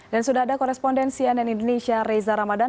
dan sudah ada korespondensi ann indonesia reza ramadan